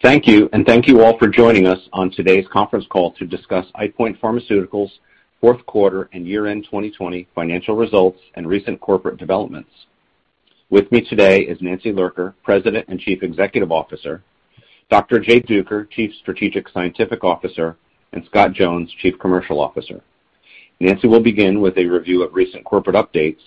Thank you, and thank you all for joining us on today's conference call to discuss EyePoint Pharmaceuticals' Fourth Quarter and Year-End 2020 Financial Results and Recent Corporate Developments. With me today is Nancy Lurker, President and Chief Executive Officer, Dr. Jay Duker, Chief Strategic Scientific Officer, and Scott Jones, Chief Commercial Officer. Nancy will begin with a review of recent corporate updates.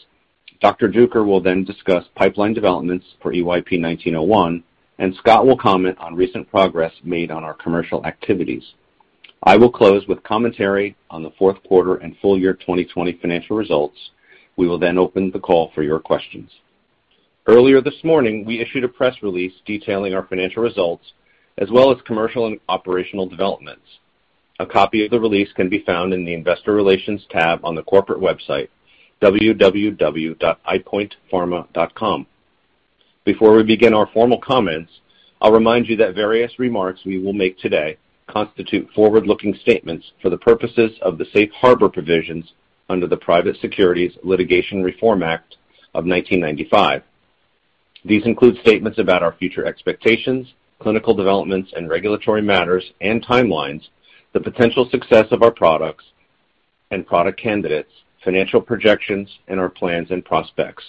Dr. Duker will then discuss pipeline developments for EYP-1901, and Scott will comment on recent progress made on our commercial activities. I will close with commentary on the fourth quarter and full year 2020 financial results. We will then open the call for your questions. Earlier this morning, we issued a press release detailing our financial results as well as commercial and operational developments. A copy of the release can be found in the investor relations tab on the corporate website, www.eyepointpharma.com. Before we begin our formal comments, I'll remind you that various remarks we will make today constitute forward-looking statements for the purposes of the safe harbor provisions under the Private Securities Litigation Reform Act of 1995. These include statements about our future expectations, clinical developments, and regulatory matters and timelines, the potential success of our products and product candidates, financial projections, and our plans and prospects.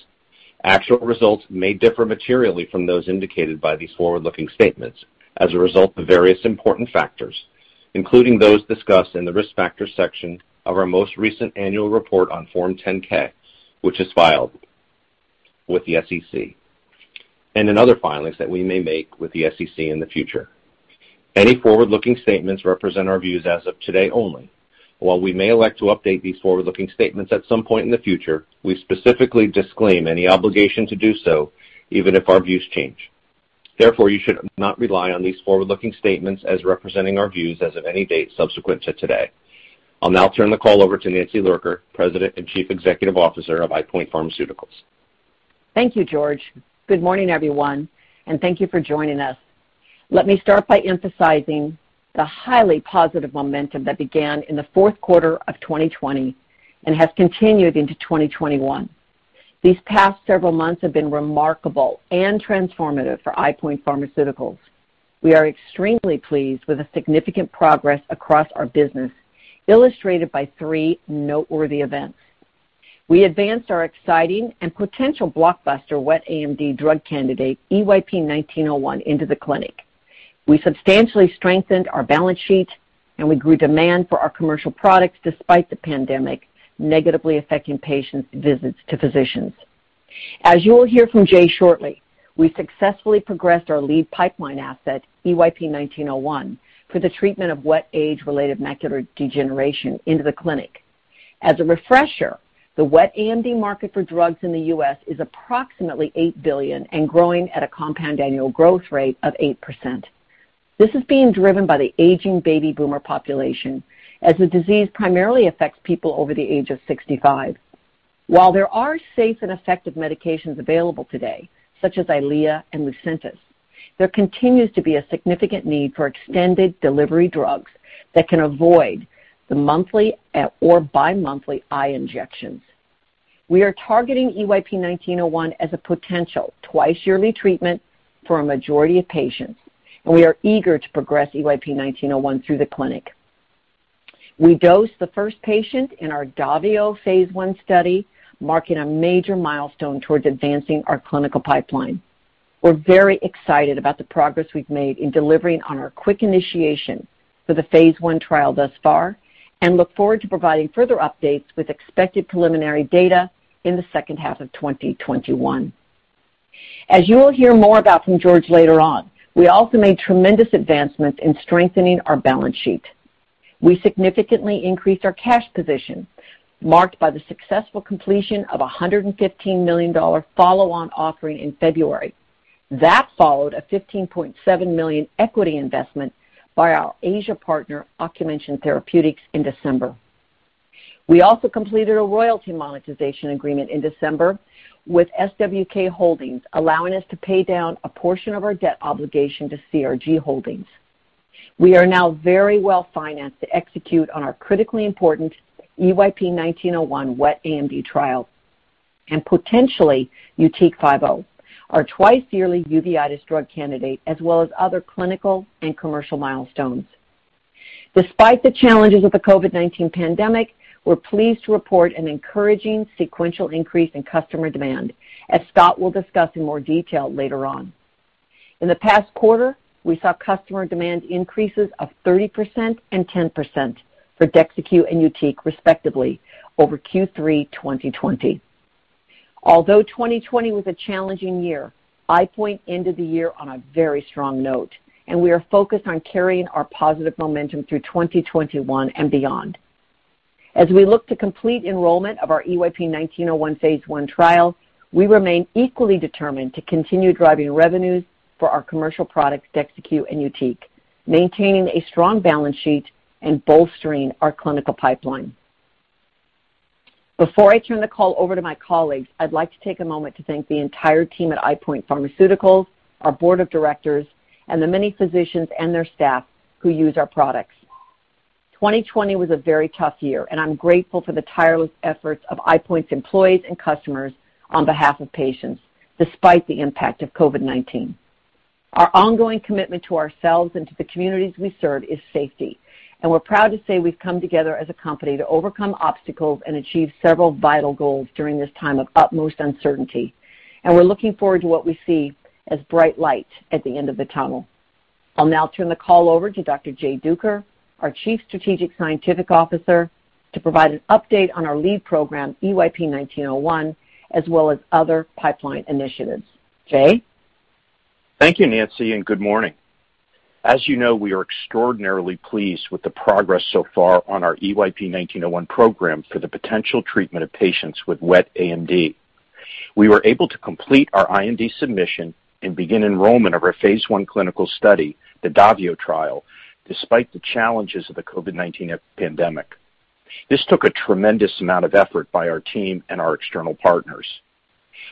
Actual results may differ materially from those indicated by these forward-looking statements as a result of various important factors, including those discussed in the Risk Factors section of our most recent annual report on Form 10-K, which is filed with the SEC and in other filings that we may make with the SEC in the future. Any forward-looking statements represent our views as of today only. While we may elect to update these forward-looking statements at some point in the future, we specifically disclaim any obligation to do so even if our views change. Therefore, you should not rely on these forward-looking statements as representing our views as of any date subsequent to today. I'll now turn the call over to Nancy Lurker, President and Chief Executive Officer of EyePoint Pharmaceuticals. Thank you, George. Good morning, everyone, and thank you for joining us. Let me start by emphasizing the highly positive momentum that began in the fourth quarter of 2020 and has continued into 2021. These past several months have been remarkable and transformative for EyePoint Pharmaceuticals. We are extremely pleased with the significant progress across our business, illustrated by three noteworthy events. We advanced our exciting and potential blockbuster wet AMD drug candidate, EYP-1901, into the clinic. We substantially strengthened our balance sheet, and we grew demand for our commercial products despite the pandemic negatively affecting patients' visits to physicians. As you will hear from Jay shortly, we successfully progressed our lead pipeline asset, EYP-1901, for the treatment of wet age-related macular degeneration into the clinic. As a refresher, the wet AMD market for drugs in the U.S. is approximately $8 billion and growing at a compound annual growth rate of 8%. This is being driven by the aging baby boomer population, as the disease primarily affects people over the age of 65. While there are safe and effective medications available today, such as EYLEA and LUCENTIS, there continues to be a significant need for extended delivery drugs that can avoid the monthly or bi-monthly eye injections. We are targeting EYP-1901 as a potential twice-yearly treatment for a majority of patients, and we are eager to progress EYP-1901 through the clinic. We dosed the first patient in our DAVIO phase I study, marking a major milestone towards advancing our clinical pipeline. We're very excited about the progress we've made in delivering on our quick initiation for the phase I trial thus far, and look forward to providing further updates with expected preliminary data in the second half of 2021. As you will hear more about from George later on, we also made tremendous advancements in strengthening our balance sheet. We significantly increased our cash position, marked by the successful completion of $115 million follow-on offering in February. That followed a $15.7 million equity investment by our Asia partner, Ocumension Therapeutics, in December. We also completed a royalty monetization agreement in December with SWK Holdings, allowing us to pay down a portion of our debt obligation to CRG Holdings. We are now very well-financed to execute on our critically important EYP-1901 wet AMD trial and potentially YUTIQ 50, our twice-yearly uveitis drug candidate, as well as other clinical and commercial milestones. Despite the challenges of the COVID-19 pandemic, we're pleased to report an encouraging sequential increase in customer demand, as Scott will discuss in more detail later on. In the past quarter, we saw customer demand increases of 30% and 10% for DEXYCU and YUTIQ, respectively, over Q3 2020. Although 2020 was a challenging year, EyePoint ended the year on a very strong note, and we are focused on carrying our positive momentum through 2021 and beyond. As we look to complete enrollment of our EYP-1901 phase I trial, we remain equally determined to continue driving revenues for our commercial products, DEXYCU and YUTIQ, maintaining a strong balance sheet and bolstering our clinical pipeline. Before I turn the call over to my colleagues, I'd like to take a moment to thank the entire team at EyePoint Pharmaceuticals, our board of directors, and the many physicians and their staff who use our products. 2020 was a very tough year. I'm grateful for the tireless efforts of EyePoint's employees and customers on behalf of patients, despite the impact of COVID-19. Our ongoing commitment to ourselves and to the communities we serve is safety. We're proud to say we've come together as a company to overcome obstacles and achieve several vital goals during this time of utmost uncertainty. We're looking forward to what we see as bright light at the end of the tunnel. I'll now turn the call over to Dr. Jay Duker, our Chief Strategic Scientific Officer, to provide an update on our lead program, EYP-1901, as well as other pipeline initiatives. Jay? Thank you, Nancy. Good morning. As you know, we are extraordinarily pleased with the progress so far on our EYP-1901 program for the potential treatment of patients with wet AMD. We were able to complete our IND submission and begin enrollment of our phase I clinical study, the DAVIO trial, despite the challenges of the COVID-19 pandemic. This took a tremendous amount of effort by our team and our external partners.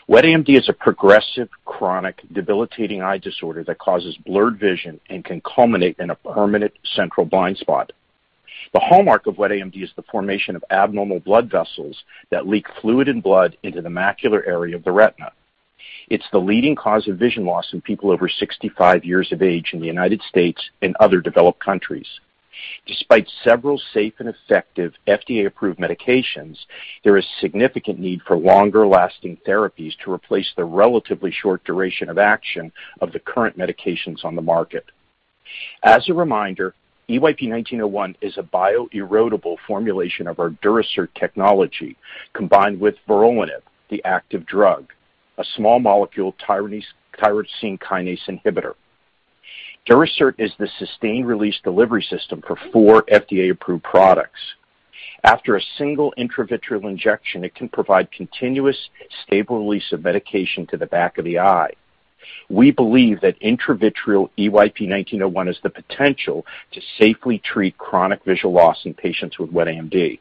Wet AMD is a progressive, chronic, debilitating eye disorder that causes blurred vision and can culminate in a permanent central blind spot. The hallmark of wet AMD is the formation of abnormal blood vessels that leak fluid and blood into the macular area of the retina. It's the leading cause of vision loss in people over 65 years of age in the U.S. and other developed countries. Despite several safe and effective FDA-approved medications, there is significant need for longer-lasting therapies to replace the relatively short duration of action of the current medications on the market. As a reminder, EYP-1901 is a bio-erodible formulation of our Durasert technology, combined with vorolanib, the active drug, a small molecule tyrosine kinase inhibitor. Durasert is the sustained-release delivery system for four FDA-approved products. After a single intravitreal injection, it can provide continuous, stable release of medication to the back of the eye. We believe that intravitreal EYP-1901 has the potential to safely treat chronic visual loss in patients with wet AMD.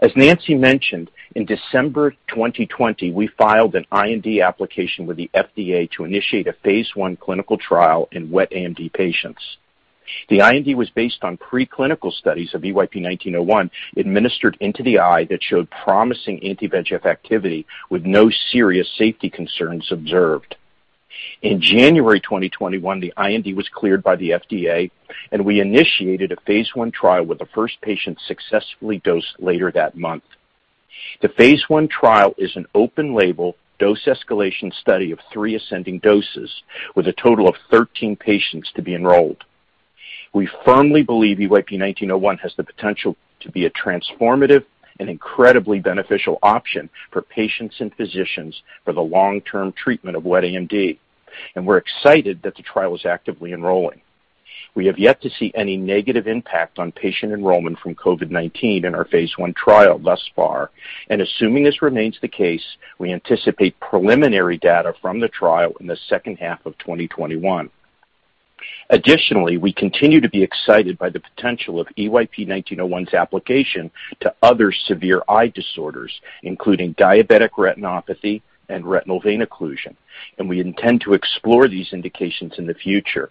As Nancy mentioned, in December 2020, we filed an IND application with the FDA to initiate a phase I clinical trial in wet AMD patients. The IND was based on preclinical studies of EYP-1901 administered into the eye that showed promising anti-VEGF activity with no serious safety concerns observed. In January 2021, the IND was cleared by the FDA, and we initiated a phase I trial with the first patient successfully dosed later that month. The phase I trial is an open label dose escalation study of three ascending doses with a total of 13 patients to be enrolled. We firmly believe EYP-1901 has the potential to be a transformative and incredibly beneficial option for patients and physicians for the long-term treatment of wet AMD, and we're excited that the trial is actively enrolling. We have yet to see any negative impact on patient enrollment from COVID-19 in our phase I trial thus far. Assuming this remains the case, we anticipate preliminary data from the trial in the second half of 2021. Additionally, we continue to be excited by the potential of EYP-1901's application to other severe eye disorders, including diabetic retinopathy and retinal vein occlusion, and we intend to explore these indications in the future.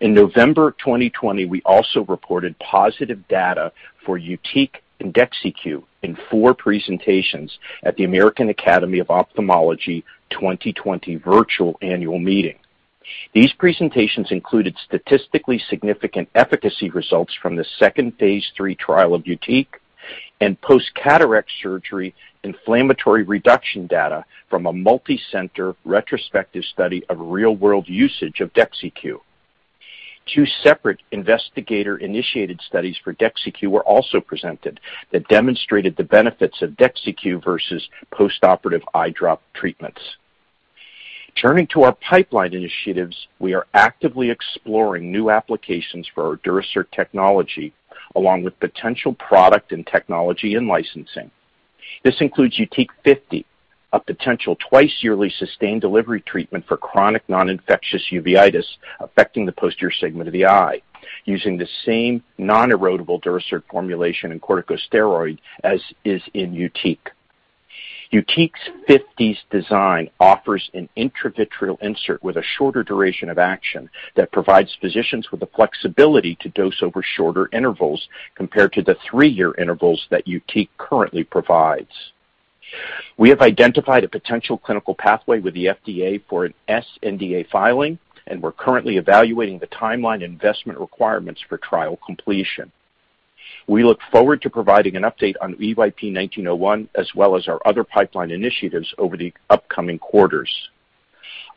In November 2020, we also reported positive data for YUTIQ and DEXYCU in four presentations at the American Academy of Ophthalmology 2020 virtual annual meeting. These presentations included statistically significant efficacy results from the second phase III trial of YUTIQ and post-cataract surgery inflammatory reduction data from a multi-center retrospective study of real-world usage of DEXYCU. Two separate investigator-initiated studies for DEXYCU were also presented that demonstrated the benefits of DEXYCU versus post-operative eye drop treatments. Turning to our pipeline initiatives, we are actively exploring new applications for our Durasert technology, along with potential product and technology and licensing. This includes YUTIQ 50, a potential twice-yearly sustained delivery treatment for chronic non-infectious uveitis affecting the posterior segment of the eye using the same non-erodible Durasert formulation and corticosteroid as is in YUTIQ. YUTIQ 50's design offers an intravitreal insert with a shorter duration of action that provides physicians with the flexibility to dose over shorter intervals compared to the three-year intervals that YUTIQ currently provides. We have identified a potential clinical pathway with the FDA for an sNDA filing, and we're currently evaluating the timeline investment requirements for trial completion. We look forward to providing an update on EYP-1901 as well as our other pipeline initiatives over the upcoming quarters.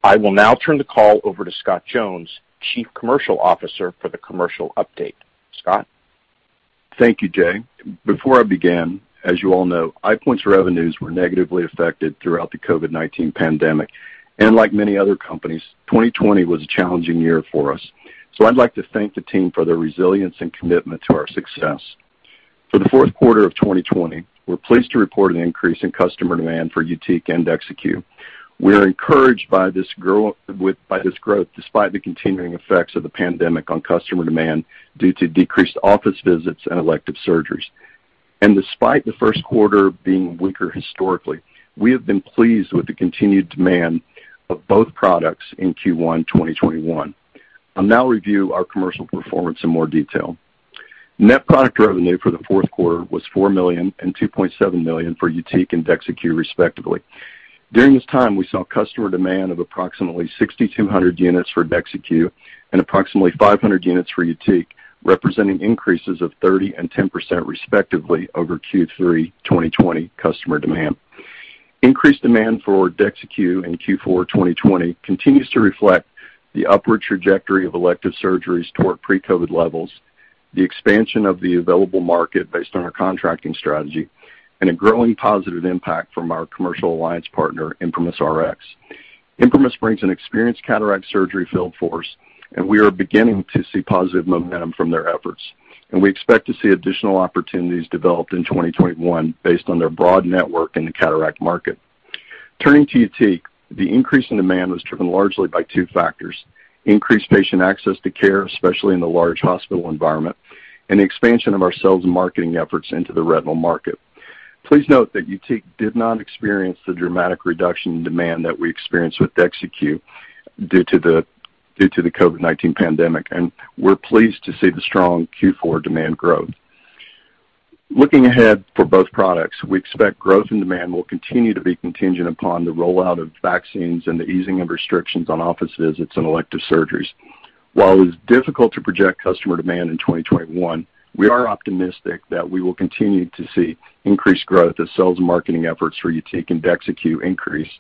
I will now turn the call over to Scott Jones, Chief Commercial Officer, for the commercial update. Scott? Thank you, Jay. Before I begin, as you all know, EyePoint's revenues were negatively affected throughout the COVID-19 pandemic. Like many other companies, 2020 was a challenging year for us. I'd like to thank the team for their resilience and commitment to our success. For the fourth quarter of 2020, we're pleased to report an increase in customer demand for YUTIQ and DEXYCU. We are encouraged by this growth despite the continuing effects of the pandemic on customer demand due to decreased office visits and elective surgeries. Despite the first quarter being weaker historically, we have been pleased with the continued demand of both products in Q1 2021. I'll now review our commercial performance in more detail. Net product revenue for the fourth quarter was $4 million and $2.7 million for YUTIQ and DEXYCU, respectively. During this time, we saw customer demand of approximately 6,200 units for DEXYCU and approximately 500 units for YUTIQ, representing increases of 30% and 10%, respectively, over Q3 2020 customer demand. Increased demand for DEXYCU in Q4 2020 continues to reflect the upward trajectory of elective surgeries toward pre-COVID-19 levels, the expansion of the available market based on our contracting strategy, and a growing positive impact from our commercial alliance partner, ImprimisRx. Imprimis brings an experienced cataract surgery field force, and we are beginning to see positive momentum from their efforts. We expect to see additional opportunities developed in 2021 based on their broad network in the cataract market. Turning to YUTIQ, the increase in demand was driven largely by two factors. Increased patient access to care, especially in the large hospital environment, and the expansion of our sales and marketing efforts into the retinal market. Please note that YUTIQ did not experience the dramatic reduction in demand that we experienced with DEXYCU due to the COVID-19 pandemic, and we're pleased to see the strong Q4 demand growth. Looking ahead for both products, we expect growth and demand will continue to be contingent upon the rollout of vaccines and the easing of restrictions on office visits and elective surgeries. While it is difficult to project customer demand in 2021, we are optimistic that we will continue to see increased growth as sales and marketing efforts for YUTIQ and DEXYCU increase.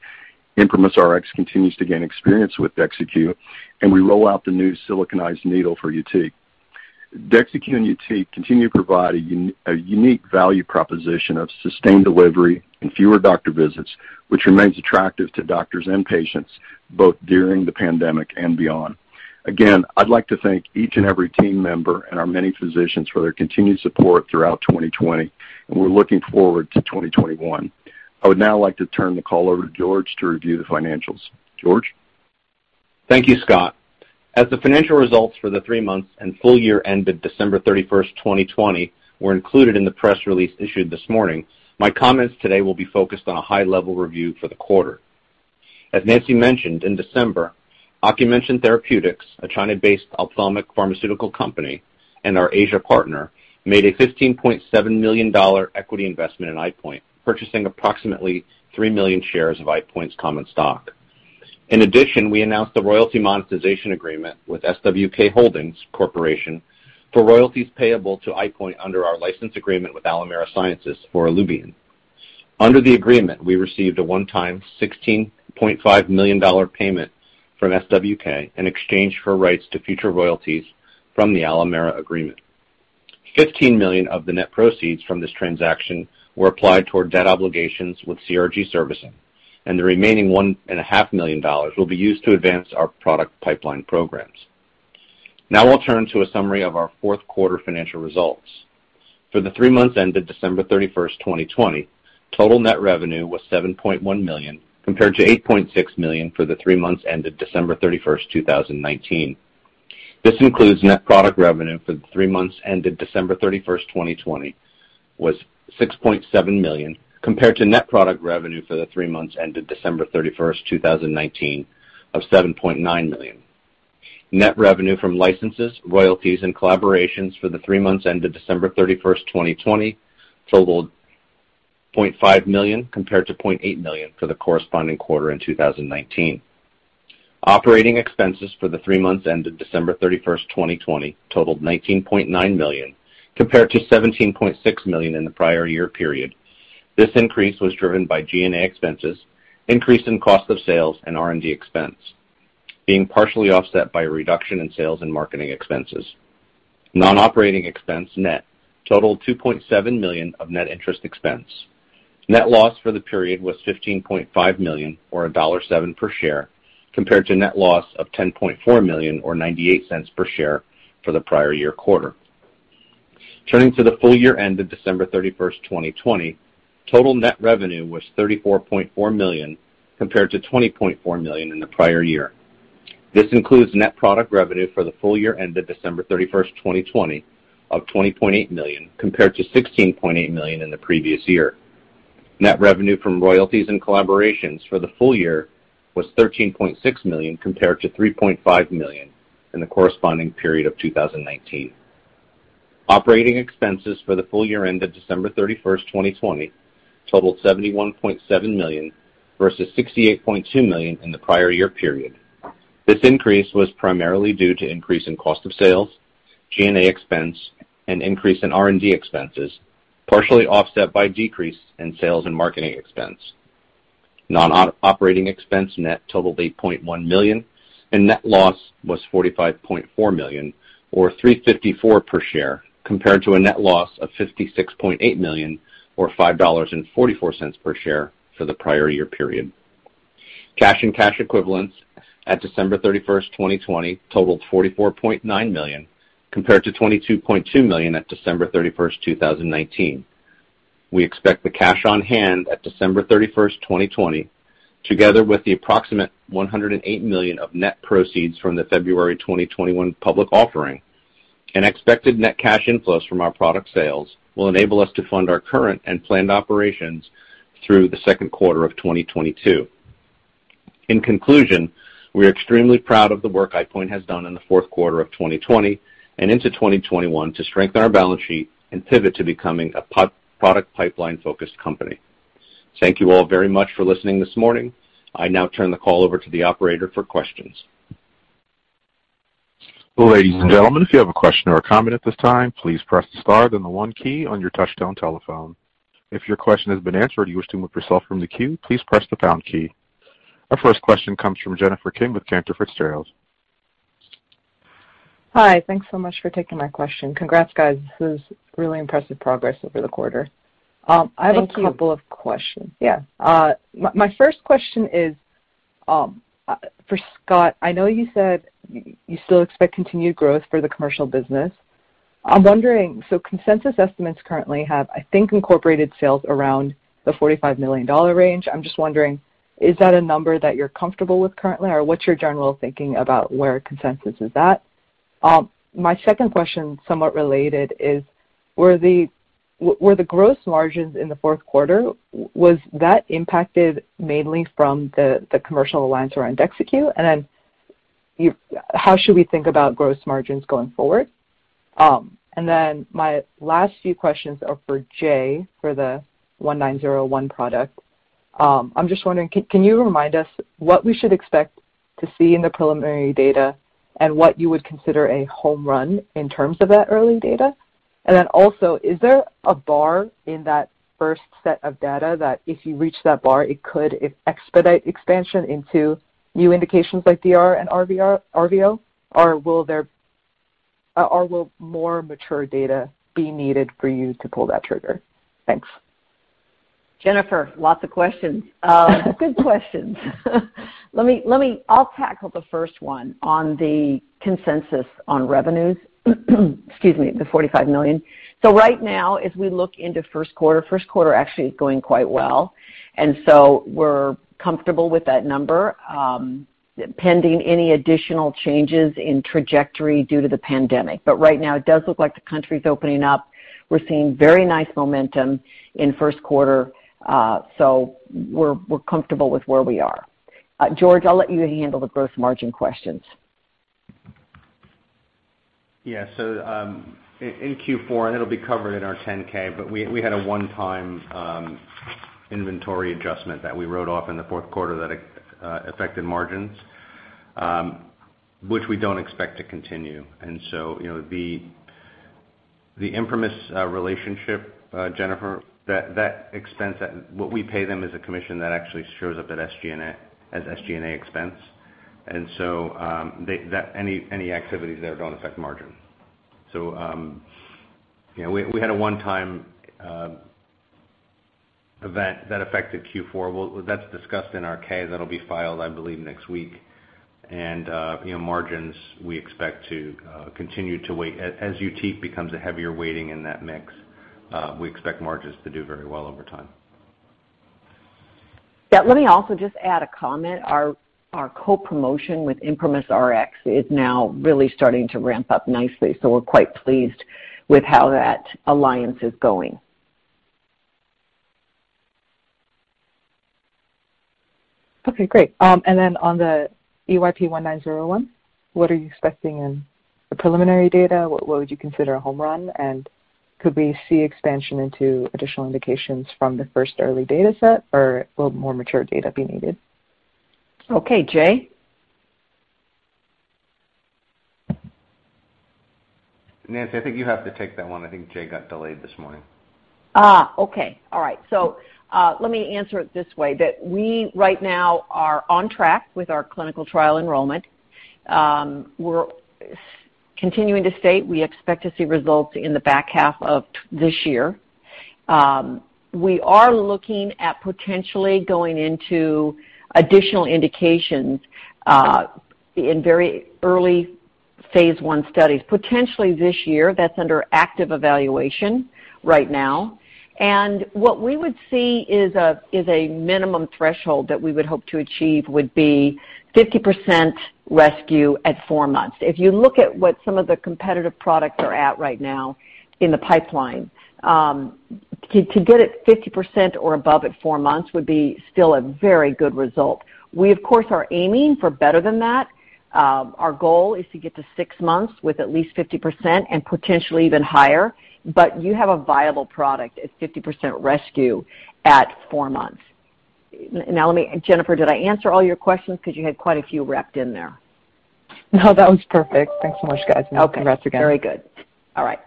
ImprimisRx continues to gain experience with DEXYCU, and we roll out the new siliconized needle for YUTIQ. DEXYCU and YUTIQ continue to provide a unique value proposition of sustained delivery and fewer doctor visits, which remains attractive to doctors and patients, both during the pandemic and beyond. Again, I'd like to thank each and every team member and our many physicians for their continued support throughout 2020, and we're looking forward to 2021. I would now like to turn the call over to George to review the financials. George? Thank you, Scott. As the financial results for the three months and full year ended December 31st, 2020 were included in the press release issued this morning, my comments today will be focused on a high-level review for the quarter. As Nancy mentioned, in December, Ocumension Therapeutics, a China-based ophthalmic pharmaceutical company and our Asia partner, made a $15.7 million equity investment in EyePoint, purchasing approximately three million shares of EyePoint's common stock. In addition, we announced the royalty monetization agreement with SWK Holdings Corporation for royalties payable to EyePoint under our license agreement with Alimera Sciences for Iluvien. Under the agreement, we received a one-time $16.5 million payment from SWK in exchange for rights to future royalties from the Alimera agreement. $15 million of the net proceeds from this transaction were applied toward debt obligations with CRG Servicing, and the remaining $1.5 million will be used to advance our product pipeline programs. Now I'll turn to a summary of our fourth quarter financial results. For the three months ended December 31st, 2020, total net revenue was $7.1 million, compared to $8.6 million for the three months ended December 31st, 2019. This includes net product revenue for the three months ended December 31st, 2020 was $6.7 million, compared to net product revenue for the three months ended December 31st, 2019 of $7.9 million. Net revenue from licenses, royalties, and collaborations for the three months ended December 31st, 2020 totaled $500,000 compared to $800,000 for the corresponding quarter in 2019. Operating expenses for the three months ended December 31st, 2020 totaled $19.9 million compared to $17.6 million in the prior year period. This increase was driven by G&A expenses, increase in cost of sales, and R&D expense being partially offset by a reduction in sales and marketing expenses. Non-operating expense net totaled $2.7 million of net interest expense. Net loss for the period was $15.5 million or $1.07 per share, compared to net loss of $10.4 million or $0.98 per share for the prior year quarter. Turning to the full year ended December 31st, 2020, total net revenue was $34.4 million compared to $20.4 million in the prior year. This includes net product revenue for the full year ended December 31st, 2020 of $20.8 million compared to $16.8 million in the previous year. Net revenue from royalties and collaborations for the full year was $13.6 million compared to $3.5 million in the corresponding period of 2019. Operating expenses for the full year ended December 31st, 2020 totaled $71.7 million versus $68.2 million in the prior year period. This increase was primarily due to increase in cost of sales, G&A expense, and increase in R&D expenses, partially offset by decrease in sales and marketing expense. Non-operating expense net totaled $8.1 million, and net loss was $45.4 million, or $3.54 per share, compared to a net loss of $56.8 million or $5.44 per share for the prior year period. Cash and cash equivalents at December 31st, 2020 totaled $44.9 million, compared to $22.2 million at December 31st, 2019. We expect the cash on hand at December 31st, 2020, together with the approximate $108 million of net proceeds from the February 2021 public offering, and expected net cash inflows from our product sales will enable us to fund our current and planned operations through the second quarter of 2022. In conclusion, we are extremely proud of the work EyePoint has done in the fourth quarter of 2020 and into 2021 to strengthen our balance sheet and pivot to becoming a product pipeline-focused company. Thank you all very much for listening this morning. I now turn the call over to the operator for questions. Our first question comes from Jennifer Kim with Cantor Fitzgerald. Hi. Thanks so much for taking my question. Congrats, guys. This is really impressive progress over the quarter. Thank you. I have a couple of questions. My first question is for Scott. I know you said you still expect continued growth for the commercial business. I'm wondering, consensus estimates currently have, I think, incorporated sales around the $45 million range. I'm just wondering, is that a number that you're comfortable with currently, or what's your general thinking about where consensus is at? My second question, somewhat related, is, were the gross margins in the fourth quarter, was that impacted mainly from the commercial alliance around DEXYCU? How should we think about gross margins going forward? My last few questions are for Jay for the EYP-1901 product. I'm just wondering, can you remind us what we should expect to see in the preliminary data and what you would consider a home run in terms of that early data? Also, is there a bar in that first set of data that if you reach that bar, it could expedite expansion into new indications like DR and RVO? Will more mature data be needed for you to pull that trigger? Thanks. Jennifer, lots of questions. Good questions. I'll tackle the first one on the consensus on revenues, excuse me, the $45 million. Right now, as we look into first quarter, first quarter actually is going quite well. We're comfortable with that number, pending any additional changes in trajectory due to the pandemic. Right now, it does look like the country's opening up. We're seeing very nice momentum in first quarter. We're comfortable with where we are. George, I'll let you handle the gross margin questions. Yeah. In Q4, and it'll be covered in our 10-K, but we had a one-time inventory adjustment that we wrote off in the fourth quarter that affected margins, which we don't expect to continue. The ImprimisRx relationship, Jennifer, that expense, what we pay them as a commission, that actually shows up as SG&A expense. Any activities there don't affect margin. We had a one-time event that affected Q4. Well, that's discussed in our 10-K that'll be filed, I believe, next week. Margins, as YUTIQ becomes a heavier weighting in that mix, we expect margins to do very well over time. Yeah, let me also just add a comment. Our co-promotion with ImprimisRx is now really starting to ramp up nicely, so we're quite pleased with how that alliance is going. Okay, great. On the EYP-1901, what are you expecting in the preliminary data? What would you consider a home run? Could we see expansion into additional indications from the first early data set, or will more mature data be needed? Okay, Jay? Nancy, I think you have to take that one. I think Jay got delayed this morning. Okay. All right. Let me answer it this way, that we right now are on track with our clinical trial enrollment. We're continuing to state we expect to see results in the back half of this year. We are looking at potentially going into additional indications, in very early phase I studies. Potentially this year. That's under active evaluation right now. What we would see is a minimum threshold that we would hope to achieve would be 50% rescue at four months. If you look at what some of the competitive products are at right now in the pipeline, to get it 50% or above at four months would be still a very good result. We, of course, are aiming for better than that. Our goal is to get to six months with at least 50% and potentially even higher. You have a viable product at 50% rescue at four months. Now, Jennifer, did I answer all your questions? Because you had quite a few wrapped in there. No, that was perfect. Thanks so much, guys. Okay. Congrats again. Very good. All right.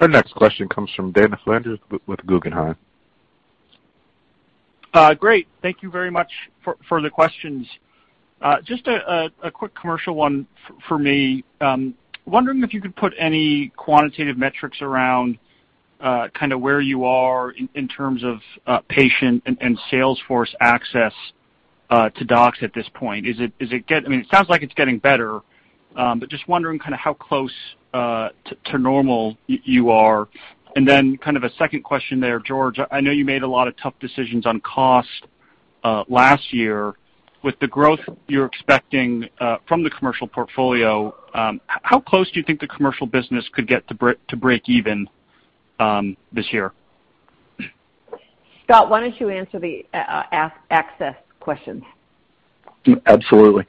Our next question comes from Dana Flanders with Guggenheim. Great. Thank you very much for the questions. Just a quick commercial one for me. I'm wondering if you could put any quantitative metrics around where you are in terms of patient and sales force access to docs at this point. It sounds like it's getting better, but just wondering kind of how close to normal you are. Kind of a second question there, George. I know you made a lot of tough decisions on cost last year. With the growth you're expecting from the commercial portfolio, how close do you think the commercial business could get to break even this year? Scott, why don't you answer the access questions? Absolutely.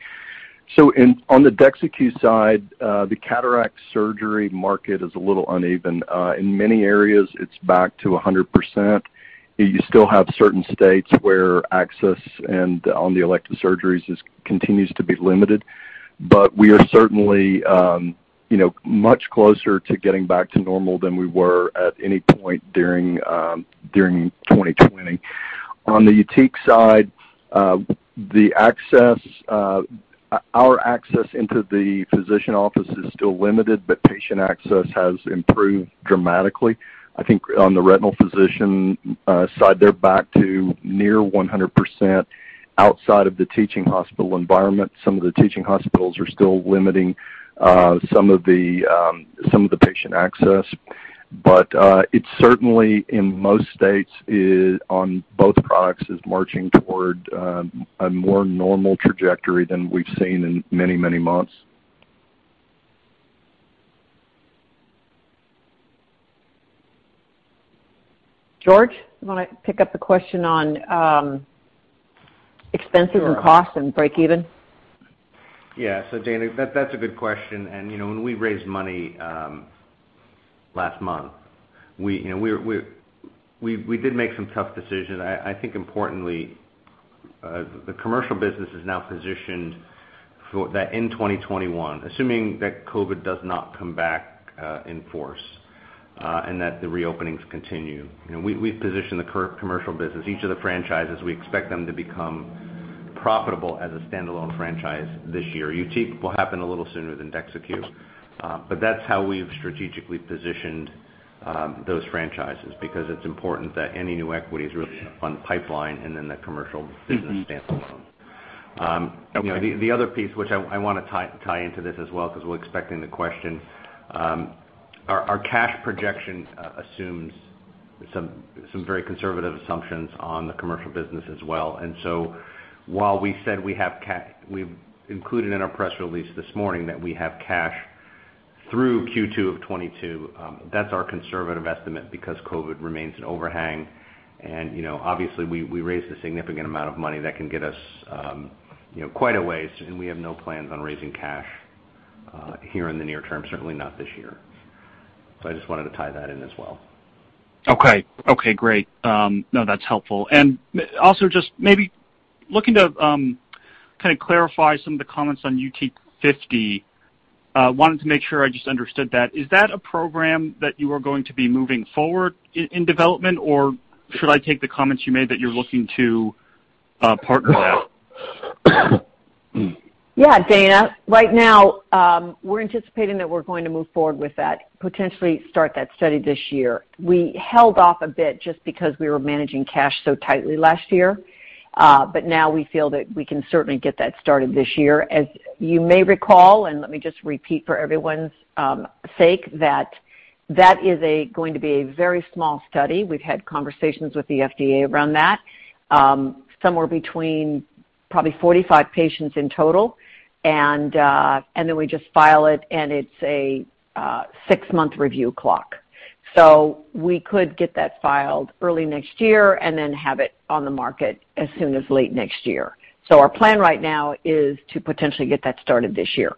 On the DEXYCU side, the cataract surgery market is a little uneven. In many areas, it's back to 100%. You still have certain states where access on the elective surgeries continues to be limited. We are certainly much closer to getting back to normal than we were at any point during 2020. On the YUTIQ side, our access into the physician office is still limited, but patient access has improved dramatically. I think on the retinal physician side, they're back to near 100% outside of the teaching hospital environment. Some of the teaching hospitals are still limiting some of the patient access. It's certainly, in most states, on both products, is marching toward a more normal trajectory than we've seen in many, many months. George, you want to pick up the question on expenses and costs and break even? Yeah. Dana, that's a good question. When we raised money last month, we did make some tough decisions. I think importantly, the commercial business is now positioned that in 2021, assuming that COVID does not come back in force and that the reopenings continue, we've positioned the commercial business, each of the franchises, we expect them to become profitable as a standalone franchise this year. YUTIQ will happen a little sooner than DEXYCU. That's how we've strategically positioned those franchises because it's important that any new equity is really on pipeline and then the commercial business standalone. The other piece which I want to tie into this as well because we're expecting the question. Our cash projection assumes some very conservative assumptions on the commercial business as well. While we said we've included in our press release this morning that we have cash through Q2 of 2022, that's our conservative estimate because COVID remains an overhang. Obviously we raised a significant amount of money that can get us quite a way, and we have no plans on raising cash here in the near term, certainly not this year. I just wanted to tie that in as well. Okay. Great. No, that's helpful. Also just maybe looking to kind of clarify some of the comments on YUTIQ 50. Wanted to make sure I just understood that. Is that a program that you are going to be moving forward in development, or should I take the comments you made that you're looking to partner that? Yeah, Dana. Right now, we're anticipating that we're going to move forward with that, potentially start that study this year. We held off a bit just because we were managing cash so tightly last year. Now we feel that we can certainly get that started this year. As you may recall, let me just repeat for everyone's sake, that that is going to be a very small study. We've had conversations with the FDA around that. Somewhere between probably 45 patients in total. Then we just file it, and it's a six-month review clock. We could get that filed early next year then have it on the market as soon as late next year. Our plan right now is to potentially get that started this year.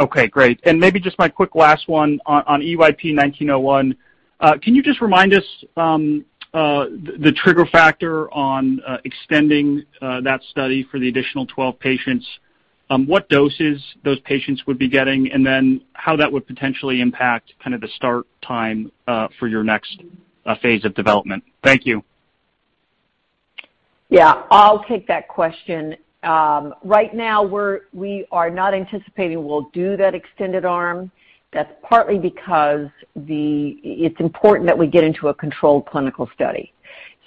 Okay, great. Maybe just my quick last one on EYP-1901. Can you just remind us the trigger factor on extending that study for the additional 12 patients? What doses those patients would be getting, and then how that would potentially impact kind of the start time for your next phase of development? Thank you. Yeah, I'll take that question. We are not anticipating we'll do that extended arm. That's partly because it's important that we get into a controlled clinical study.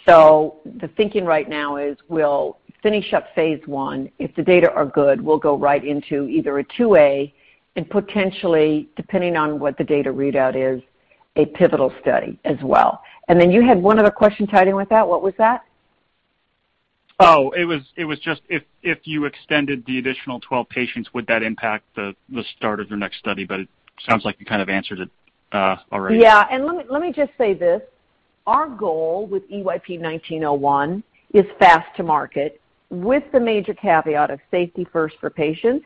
The thinking right now is we'll finish up phase I. If the data are good, we'll go right into either a phase II-A and potentially, depending on what the data readout is, a pivotal study as well. You had one other question tied in with that. What was that? Oh, it was just if you extended the additional 12 patients, would that impact the start of your next study? It sounds like you kind of answered it already. Yeah. Let me just say this. Our goal with EYP-1901 is fast to market with the major caveat of safety first for patients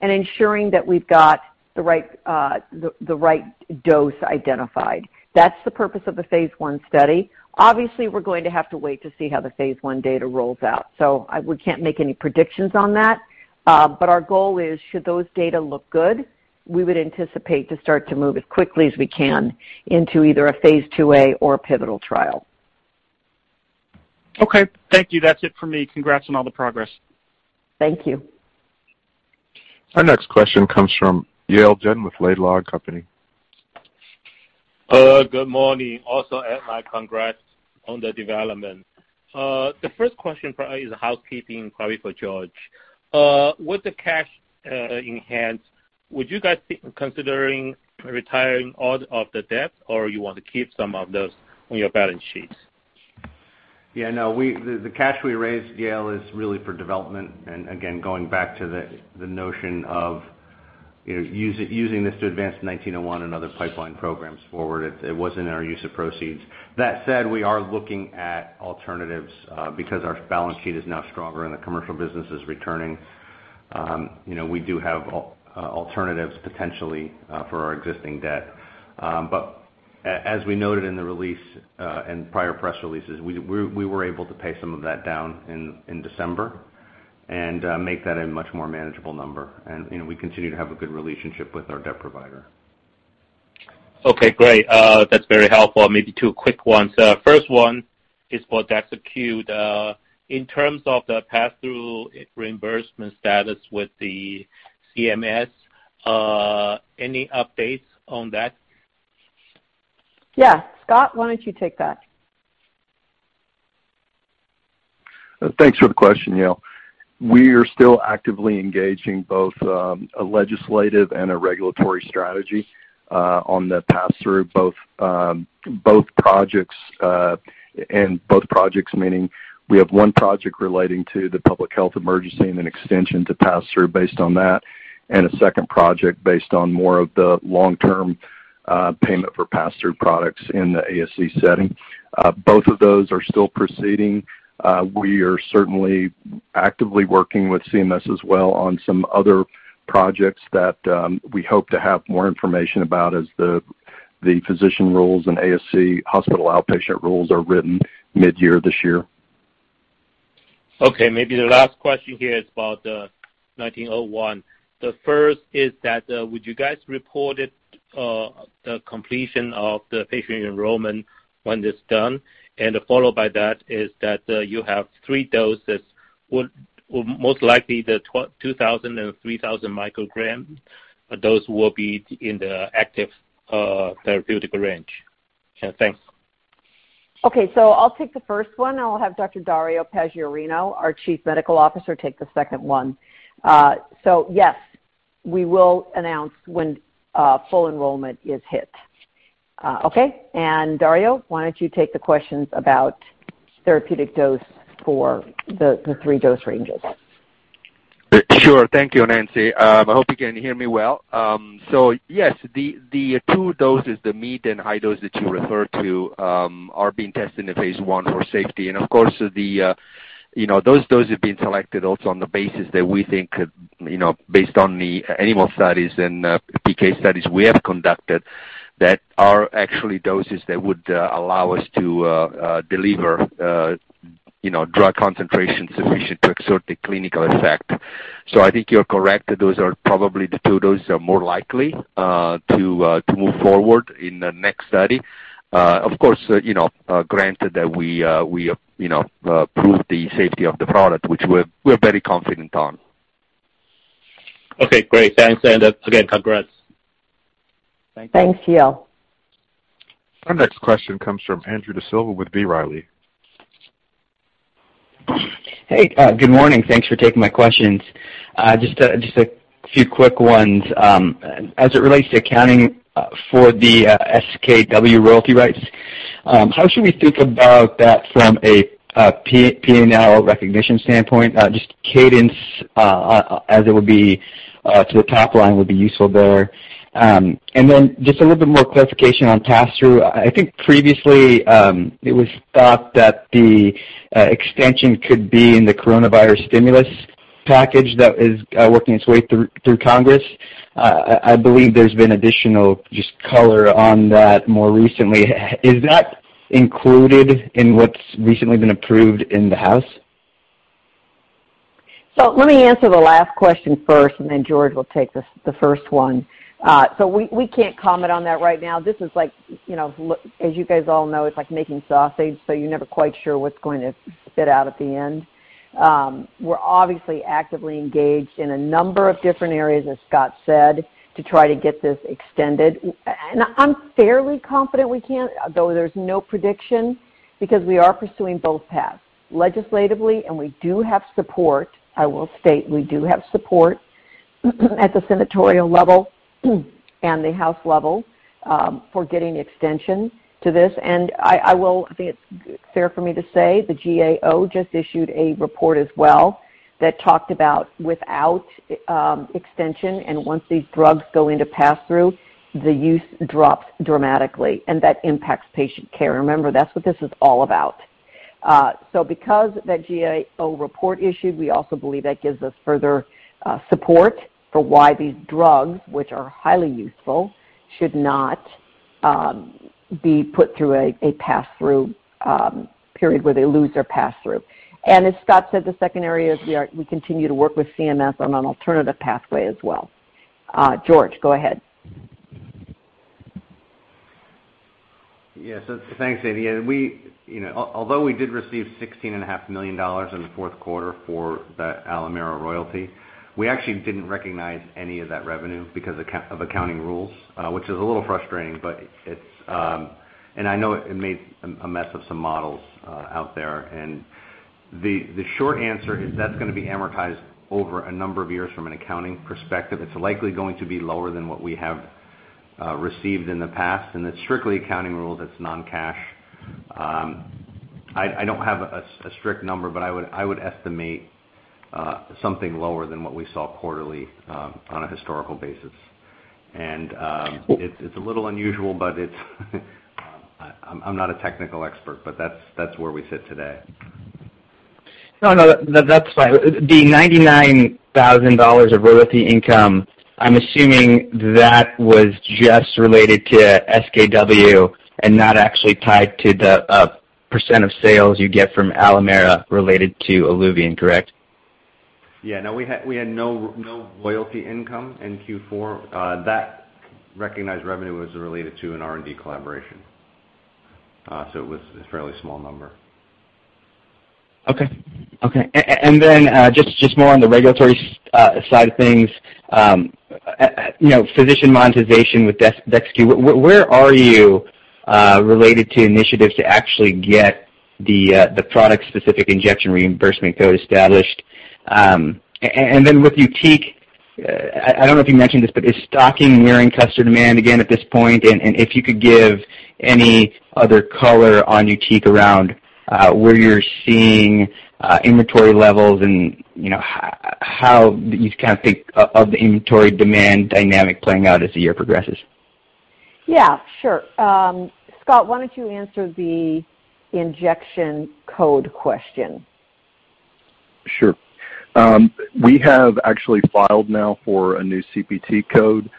and ensuring that we've got the right dose identified. That's the purpose of the phase I study. Obviously, we're going to have to wait to see how the phase I data rolls out. We can't make any predictions on that. Our goal is, should those data look good, we would anticipate to start to move as quickly as we can into either a phase II-A or a pivotal trial. Okay. Thank you. That's it for me. Congrats on all the progress. Thank you. Our next question comes from Yale Jen with Laidlaw & Company. Good morning. Also add my congrats on the development. The first question for is a housekeeping probably for George. With the cash in hand, would you guys be considering retiring all of the debt, or you want to keep some of those on your balance sheets? Yeah, no. The cash we raised, Yale, is really for development, and again, going back to the notion of using this to advance EYP-1901 and other pipeline programs forward. It was in our use of proceeds. That said, we are looking at alternatives because our balance sheet is now stronger and the commercial business is returning. We do have alternatives potentially for our existing debt. As we noted in the release, and prior press releases, we were able to pay some of that down in December and make that a much more manageable number. We continue to have a good relationship with our debt provider. Okay, great. That's very helpful. Maybe two quick ones. First one is for DEXYCU. In terms of the pass-through reimbursement status with the CMS, any updates on that? Yeah. Scott, why don't you take that? Thanks for the question, Yale. We are still actively engaging both a legislative and a regulatory strategy on the pass-through both projects. Both projects meaning we have one project relating to the public health emergency and an extension to pass-through based on that, and a second project based on more of the long-term payment for pass-through products in the ASC setting. Both of those are still proceeding. We are certainly actively working with CMS as well on some other projects that we hope to have more information about as the physician rules and ASC hospital outpatient rules are written mid-year this year. Okay. Maybe the last question here is about EYP-1901. The first is that, would you guys report the completion of the patient enrollment when it's done? Followed by that is that you have three doses. Most likely the 2,000 and 3,000 microgram dose will be in the active therapeutic range. Thanks. Okay. I'll take the first one, I'll have Dr. Dario Paggiarino, our Chief Medical Officer, take the second one. Yes, we will announce when full enrollment is hit. Okay. Dario, why don't you take the questions about therapeutic dose for the three dose ranges? Sure. Thank you, Nancy. I hope you can hear me well. Yes, the two doses, the mid and high dose that you refer to, are being tested in the phase I for safety. Of course, those doses are being selected also on the basis that we think, based on the animal studies and PK studies we have conducted, that are actually doses that would allow us to deliver drug concentration sufficient to exert a clinical effect. I think you're correct, those are probably the two doses are more likely to move forward in the next study. Of course, granted that we prove the safety of the product, which we're very confident on. Okay, great. Thanks. Again, congrats. Thanks, Yale. Our next question comes from Andrew D'Silva with B. Riley. Hey, good morning. Thanks for taking my questions. Just a few quick ones. As it relates to accounting for the SWK royalty rights, how should we think about that from a P&L recognition standpoint? Just cadence as it will be to the top line would be useful there. Just a little bit more clarification on pass-through. I think previously it was thought that the extension could be in the coronavirus stimulus package that is working its way through Congress. I believe there's been additional just color on that more recently. Is that included in what's recently been approved in the House? Let me answer the last question first, and then George will take the first one. We can't comment on that right now. This is like, as you guys all know, it's like making sausage, you're never quite sure what's going to spit out at the end. We're obviously actively engaged in a number of different areas, as Scott said, to try to get this extended. I'm fairly confident we can, though there's no prediction, because we are pursuing both paths legislatively, and we do have support. I will state we do have support at the senatorial level and the House level for getting extension to this. I think it's fair for me to say, the GAO just issued a report as well that talked about without extension and once these drugs go into pass-through, the use drops dramatically, and that impacts patient care. Remember, that's what this is all about. Because that GAO report issued, we also believe that gives us further support for why these drugs, which are highly useful, should not be put through a pass-through period where they lose their pass-through. As Scott said, the second area is we continue to work with CMS on an alternative pathway as well. George, go ahead. Yes. Thanks, Andy. We did receive $16.5 million in the fourth quarter for the Alimera royalty, we actually didn't recognize any of that revenue because of accounting rules, which is a little frustrating, and I know it made a mess of some models out there. The short answer is that's going to be amortized over a number of years from an accounting perspective. It's likely going to be lower than what we have received in the past, and it's strictly accounting rules, it's non-cash. I don't have a strict number, but I would estimate something lower than what we saw quarterly on a historical basis. It's a little unusual, but I'm not a technical expert, but that's where we sit today. No, that's fine. The $99,000 of royalty income, I'm assuming that was just related to SWK and not actually tied to the percent of sales you get from Alimera related to Iluvien, correct? No, we had no royalty income in Q4. That recognized revenue was related to an R&D collaboration. It was a fairly small number. Then, just more on the regulatory side of things. Physician monetization with DEXYCU, where are you related to initiatives to actually get the product-specific injection reimbursement code established? Then with YUTIQ, I don't know if you mentioned this, but is stocking nearing customer demand again at this point? If you could give any other color on YUTIQ around where you're seeing inventory levels and how you think of the inventory demand dynamic playing out as the year progresses. Yeah, sure. Scott, why don't you answer the injection code question? Sure. We have actually filed now for a new CPT code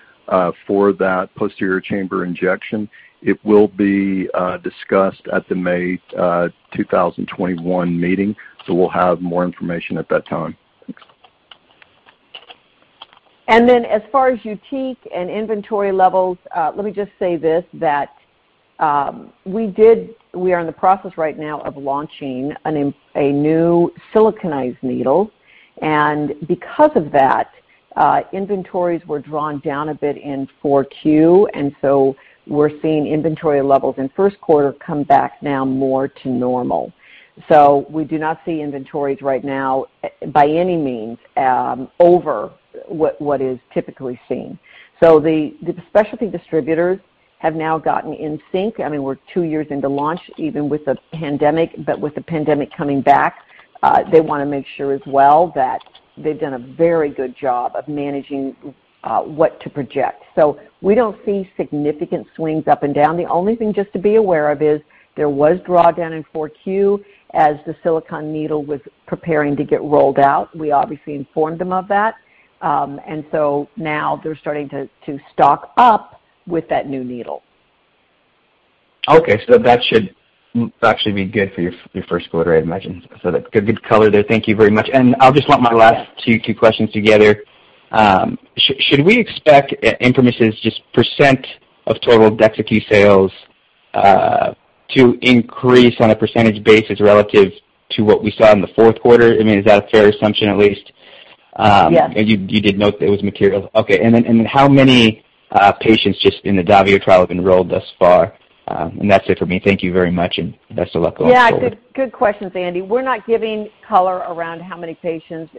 for that posterior chamber injection. It will be discussed at the May 2021 meeting, so we'll have more information at that time. As far as YUTIQ and inventory levels, let me just say this, that we are in the process right now of launching a new siliconized needle. Because of that, inventories were drawn down a bit in 4Q, we're seeing inventory levels in first quarter come back now more to normal. We do not see inventories right now, by any means, over what is typically seen. The specialty distributors have now gotten in sync. We're two years into launch, even with the pandemic. With the pandemic coming back, they want to make sure as well that they've done a very good job of managing what to project. We don't see significant swings up and down. The only thing just to be aware of is there was drawdown in 4Q as the silicon needle was preparing to get rolled out. We obviously informed them of that. Now they're starting to stock up with that new needle. Okay. That should actually be good for your first quarter, I'd imagine. Good color there. Thank you very much. I'll just lump my last two questions together. Should we expect ImprimisRx's just percent of total DEXYCU sales to increase on a percentage basis relative to what we saw in the fourth quarter? Is that a fair assumption at least? Yes. You did note that it was material. Okay. How many patients just in the DAVIO trial have enrolled thus far? That's it for me. Thank you very much, and best of luck going forward. Good questions, Andy. We're not giving color around how many patients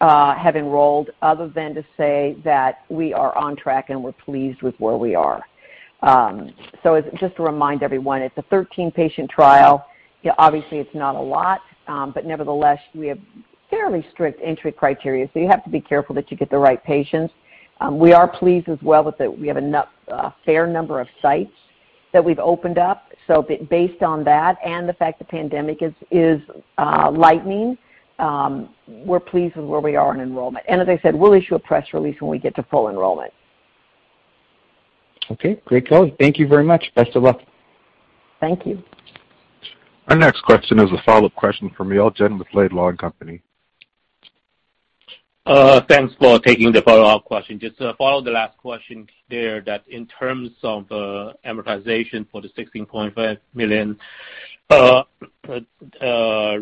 have enrolled other than to say that we are on track and we're pleased with where we are. Just to remind everyone, it's a 13-patient trial. Obviously, it's not a lot. Nevertheless, we have fairly strict entry criteria, so you have to be careful that you get the right patients. We are pleased as well that we have a fair number of sites that we've opened up. Based on that and the fact the pandemic is lightening, we're pleased with where we are in enrollment. As I said, we'll issue a press release when we get to full enrollment. Okay. Great color. Thank you very much. Best of luck. Thank you. Our next question is a follow-up question from Yale Jen with Laidlaw & Company. Thanks for taking the follow-up question. Just to follow the last question there, that in terms of amortization for the $16.5 million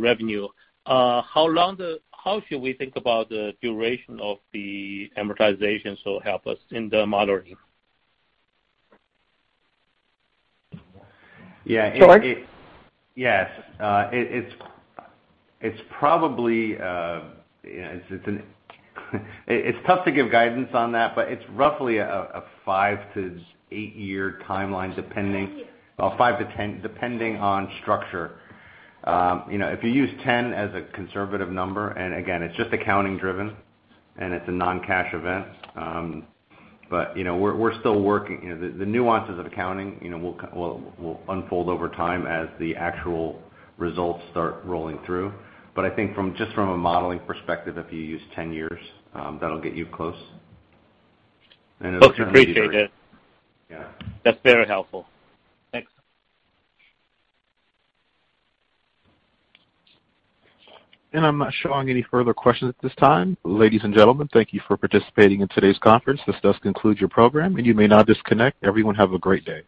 revenue, how should we think about the duration of the amortization, so help us in the modeling? George? Yes. It's tough to give guidance on that, but it's roughly a five to eight year timeline depending. 10. Well, five to 10, depending on structure. If you use 10 as a conservative number, and again, it's just accounting driven, and it's a non-cash event. We're still working. The nuances of accounting will unfold over time as the actual results start rolling through. I think just from a modeling perspective, if you use 10 years, that'll get you close. Folks appreciate it. Yeah. That's very helpful. Thanks. I'm not showing any further questions at this time. Ladies and gentlemen, thank you for participating in today's conference. This does conclude your program, and you may now disconnect. Everyone have a great day.